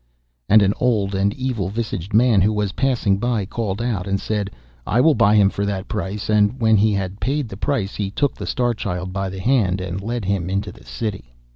And an old and evil visaged man who was passing by called out, and said, 'I will buy him for that price,' and, when he had paid the price, he took the Star Child by the hand and led him into the city.